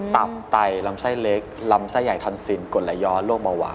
ตับไตลำไส้เล็กลำไส้ใหญ่ทอนซินกดละย้อนโรคเบาหวาน